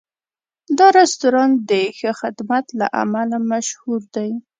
دا رستورانت د ښه خدمت له امله مشهور دی.